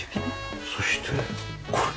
そしてこれ。